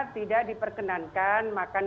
tidak diperkenankan makan